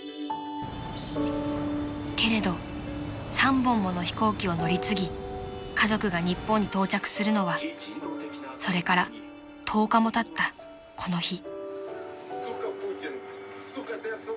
［けれど３本もの飛行機を乗り継ぎ家族が日本に到着するのはそれから１０日もたったこの日］